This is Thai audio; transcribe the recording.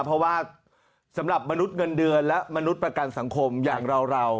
เพราะว่าสำหรับมนุษย์เงินเดือนและมนุษย์ประกันสังคมอย่างเรา